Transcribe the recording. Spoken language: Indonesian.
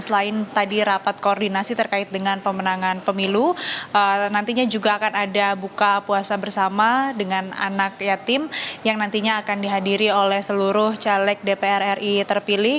selain tadi rapat koordinasi terkait dengan pemenangan pemilu nantinya juga akan ada buka puasa bersama dengan anak yatim yang nantinya akan dihadiri oleh seluruh caleg dpr ri terpilih